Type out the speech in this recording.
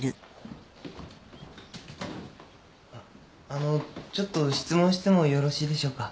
あのちょっと質問してもよろしいでしょうか？